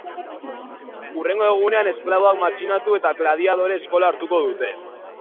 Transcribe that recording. Hurrengo egunean esklaboak matxinatu eta gladiadore eskola hartuko dute.